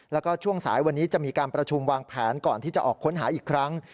แล้วก็ช่วงสายวันนี้จะมีการประชุมวางแผนก่อนที่จะออกค้นหาอีกครั้ง